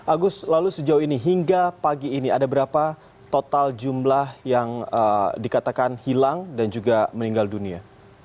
agus lalu sejauh ini hingga pagi ini ada berapa total jumlah yang dikatakan hilang dan juga meninggal dunia